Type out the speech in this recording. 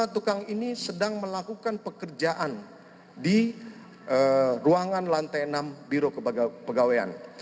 lima tukang ini sedang melakukan pekerjaan di ruangan lantai enam biro kepegawaian